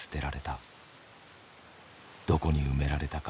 何処に埋められたか